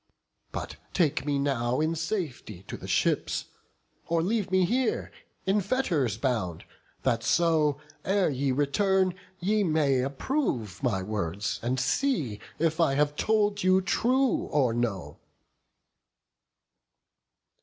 But take me now in safety to the ships; Or leave me here in fetters bound, that so, Ere ye return, ye may approve my words, And see if I have told you true, or no."